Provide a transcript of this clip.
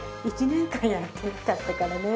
１年間やってなかったからね。